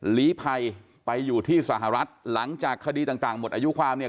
ลีภัยไปอยู่ที่สหรัฐหลังจากคดีต่างหมดอายุความเนี่ย